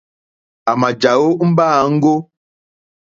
À mà jàwó mbáǃáŋɡó.